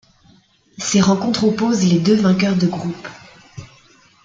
Ces rencontres opposent les deux vainqueurs de groupe.